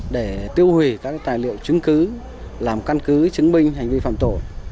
để tiêu hủy các tài liệu chứng cứ làm căn cứ chứng minh hành vi phạm tội